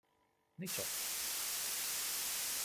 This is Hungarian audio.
Nicsak!